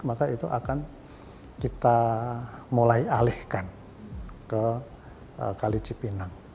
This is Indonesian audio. maka itu akan kita mulai alihkan ke kali cipinang